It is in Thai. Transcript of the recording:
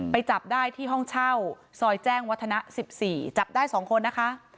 จับได้ที่ห้องเช่าซอยแจ้งวัฒนะ๑๔จับได้๒คนนะคะ